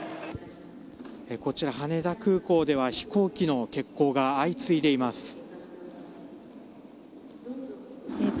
こちら、羽田空港では飛行機の欠航が相次いでいます。